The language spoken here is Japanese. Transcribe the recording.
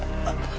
あっ